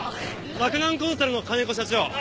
洛南コンサルの金子社長。